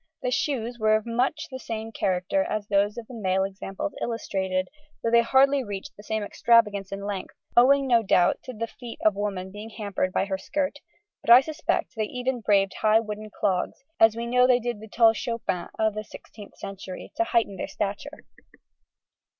The shoes were of much the same character as those of the male examples illustrated, though they hardly reached the same extravagance in length, owing, no doubt, to the feet of woman being hampered by her skirt; but I suspect they even braved high wooden clogs, as we know they did the tall chopins of the 16th century, to heighten their stature.